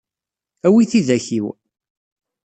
Awi tidak-iw.